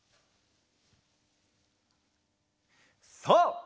そう！